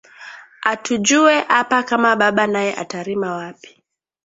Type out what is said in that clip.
Atujue apa kama baba naye ata rima wapi